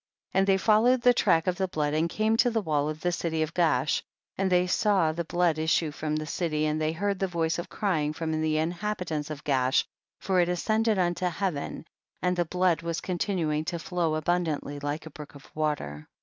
53. And they followed the track of the blood and came to the wall of the city of Gaash, and they saw the blood issue from the city, and they heard the voice of crying from the inhabitants of Gaash, for it ascended unto heaven, and the blood was con tinuing to flow abundantly like a brook of water.